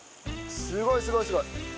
すごいすごいすごい。